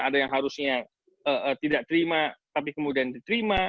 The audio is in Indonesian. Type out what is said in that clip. ada yang harusnya tidak terima tapi kemudian diterima